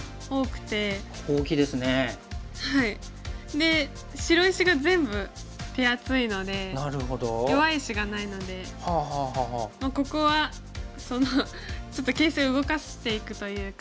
で白石が全部手厚いので弱い石がないのでもうここはそのちょっと形勢を動かしていくというか。